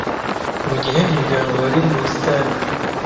mu gihe umuryango wari mu busitani.